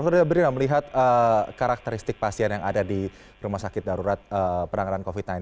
dokter debrina melihat karakteristik pasien yang ada di rumah sakit darurat penanganan covid sembilan belas